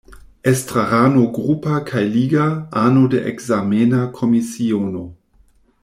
Estrarano grupa kaj liga, ano de ekzamena komisiono.